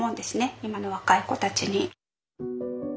今の若い子たちに。